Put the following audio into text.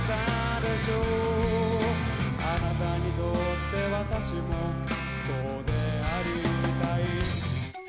「あなたにとって私もそうでありたい」